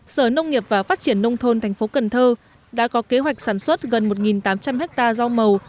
sở nông nghiệp và phát triển nông thôn thành phố cần thơ đã có kế hoạch sản xuất gần một tám trăm linh ha rau màu